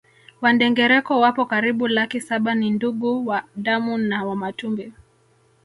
Wandengereko wapo karibu laki saba ni ndugu wa damu na Wamatumbi